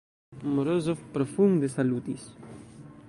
Morozov profunde salutis.